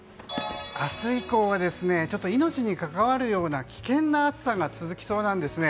明日以降は命に関わるような危険な暑さが続きそうなんですね。